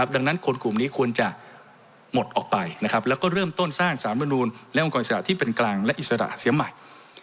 ดังนั้นคนกลุ่มนี้ควรจะหมดออกไปแล้วก็เริ่มต้นสร้างสารมนูลและองค์กรอิสระที่เป็นกลางและอิสระเสียใหม่